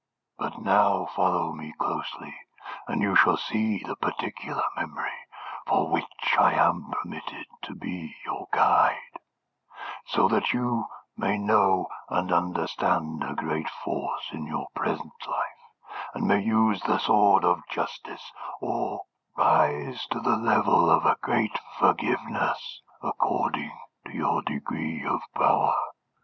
"But now follow me closely, and you shall see the particular memory for which I am permitted to be your guide, so that you may know and understand a great force in your present life, and may use the sword of justice, or rise to the level of a great forgiveness, according to your degree of power."